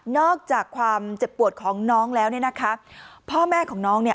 อกจากความเจ็บปวดของน้องแล้วเนี่ยนะคะพ่อแม่ของน้องเนี่ย